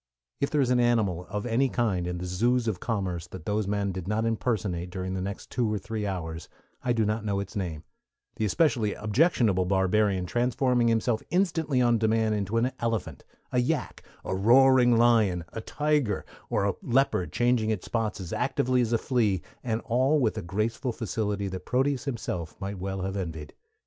If there is an animal of any kind in the zoos of commerce that those men did not impersonate during the next two or three hours I do not know its name, the especially objectionable barbarian transforming himself instantly on demand into an elephant, a yak, a roaring lion, a tiger, or a leopard changing its spots as actively as a flea, and all with a graceful facility that Proteus himself might well have envied.